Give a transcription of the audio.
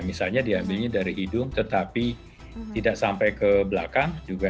misalnya diambilnya dari hidung tetapi tidak sampai ke belakang juga